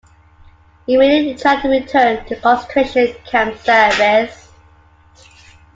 He immediately tried to return to concentration camp service.